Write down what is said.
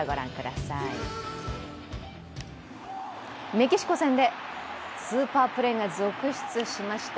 メキシコ戦でスーパープレーが続出しました。